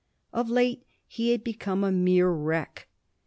Of late he had become a mere wreck.